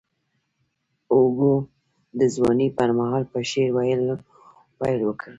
هوګو د ځوانۍ پر مهال په شعر ویلو پیل وکړ.